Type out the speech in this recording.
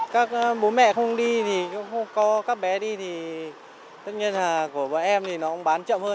các bố mẹ không đi thì cũng không có các bé đi thì tất nhiên là của bọn em thì nó cũng bán chậm hơn